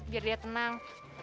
biar dia tenang